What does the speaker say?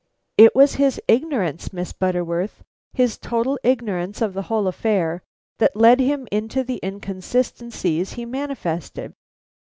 "It was his ignorance, Miss Butterworth, his total ignorance of the whole affair that led him into the inconsistencies he manifested.